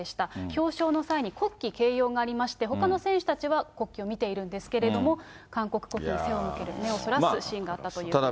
表彰の際に、国旗掲揚がありまして、ほかの選手たちは国旗を見ているんですけれども、韓国国旗に背を向ける、目をそらすシーンがあったということです。